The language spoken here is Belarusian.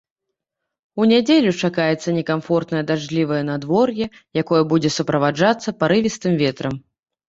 У нядзелю чакаецца некамфортнае дажджлівае надвор'е, якое будзе суправаджацца парывістым ветрам.